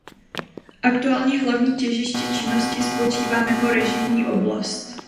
Aktuálně hlavní těžiště činnosti spočívá mimo režijní oblast.